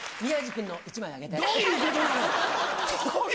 じゃあ、どういうことなの？